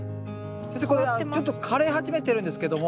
先生これちょっと枯れ始めてるんですけども。